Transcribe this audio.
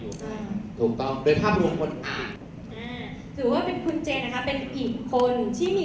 ถูกต้องโดยภาพรวมคนอื่น